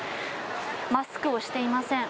マスクをしていません。